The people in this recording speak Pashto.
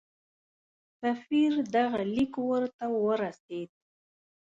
سفیر دغه لیک ورته ورسېد.